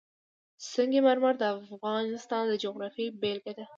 سنگ مرمر د افغانستان د جغرافیې بېلګه ده.